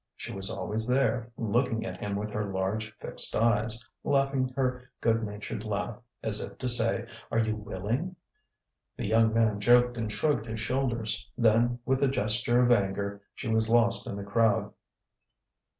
She was always there, looking at him with her large fixed eyes, laughing her good natured laugh, as if to say: "Are you willing?" The young man joked and shrugged his shoulders. Then, with a gesture of anger, she was lost in the crowd.